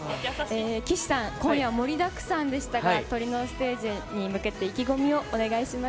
岸さん、今夜は盛りだくさんでしたが、トリのステージに向けて、意気込みをお願いします。